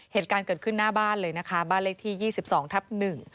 เหตุการณ์เกิดขึ้นหน้าบ้านเลยนะคะบ้านเลขที่ยี่สิบสองทับหนึ่ง